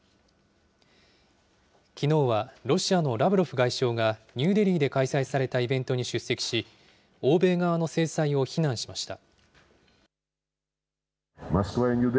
きのうはロシアのラブロフ外相が、ニューデリーで開催されたイベントに出席し、欧米側の制裁を非難しました。